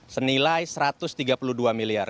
senilai rp satu ratus tiga puluh dua miliar